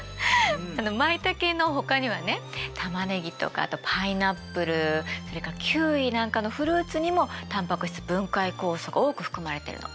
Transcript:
マイタケのほかにはねタマネギとかあとパイナップルそれからキウイなんかのフルーツにもタンパク質分解酵素が多く含まれてるの。